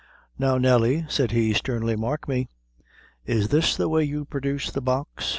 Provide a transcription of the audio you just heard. "Now, Nelly," said he sternly, "mark me is this the way you produce the box?